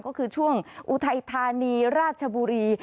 ก็คือช่วงอุทัยธานีราชบุรี